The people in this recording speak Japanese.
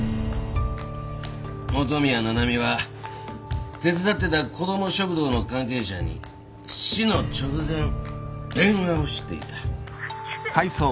元宮七海は手伝ってた子供食堂の関係者に死の直前電話をしていた。